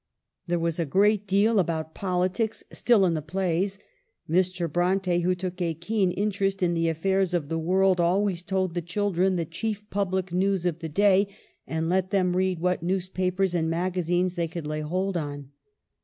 There was a great deal about politics still in the plays. Mr. Bronte, who took a keen interest in the affairs of the world, always told the chil dren the chief public news of the clay, and let them read what newspapers and magazines they could lay hold on.